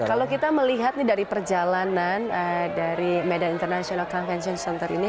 kalau kita melihat nih dari perjalanan dari medan international convention center ini